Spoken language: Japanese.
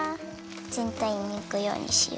ぜんたいにいくようにしよう。